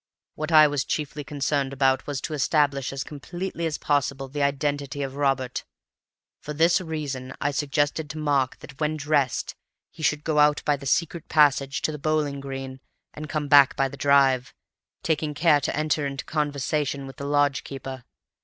What I was chiefly concerned about was to establish as completely as possible the identity of Robert. For this reason I suggested to Mark that, when dressed, he should go out by the secret passage to the bowling green, and come back by the drive, taking care to enter into conversation with the lodge keeper.